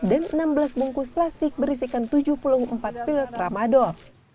dan enam belas bungkus plastik berisikan tujuh puluh empat pil tramadol